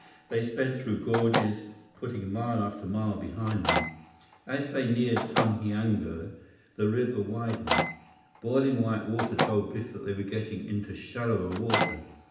They sped through gorges, putting mile after mile behind them. As they neared Sundhiango, the river widened. Boiling white water told Biff that they were getting into shallower water.